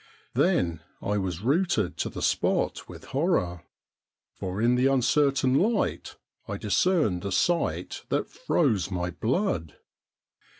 Then I was rooted to the spot with horror, for in the uncertain light I discerned a sight that froze my blood.